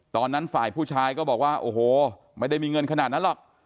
ฝ่ายผู้ชายก็บอกว่าโอ้โหไม่ได้มีเงินขนาดนั้นหรอก